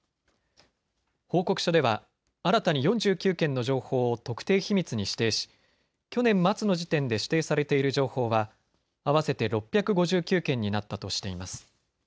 報告書では新たに４９件の情報を特定秘密に指定し去年末の時点で指定されている情報は合わせて６５９件になったとしています。